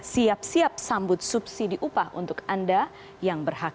siap siap sambut subsidi upah untuk anda yang berhak